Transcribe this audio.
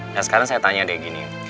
nah sekarang saya tanya deh gini